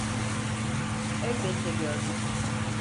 Elbette gördüm.